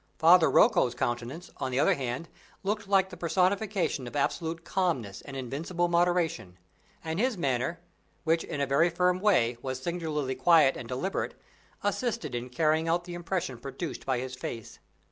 Father Rocco's countenance, on the other hand, looked like the personification of absolute calmness and invincible moderation; and his manner, which, in a very firm way, was singularly quiet and deliberate, assisted in carrying out the impression produced by his face.